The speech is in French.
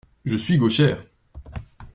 Je suis gauchère.